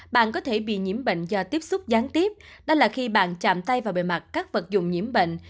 bạn có thể bị nhiễm bệnh do tiếp xúc gián tiếp đó là khi bạn chạm tay vào bề mặt các vật dụng nhiễm bệnh